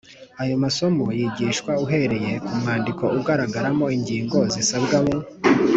Ayo masomo yigishwa ahereye ku mwandiko ugaragaramo ingingo zisabwa mu